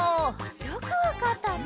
よくわかったね。